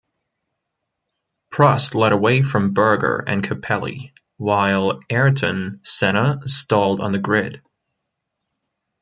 Prost led away from Berger and Capelli, while Ayrton Senna stalled on the grid.